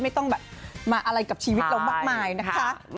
ไม่ต้องแบบมาอะไรกับชีวิตเรามากมายนะคะ